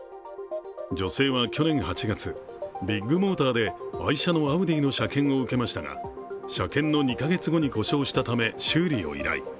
女性は去年８月、ビッグモーターで愛車のアウディの車検を受けましたが車検の２か月後に故障したため修理を依頼。